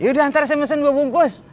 yaudah ntar saya mesen gua bungkus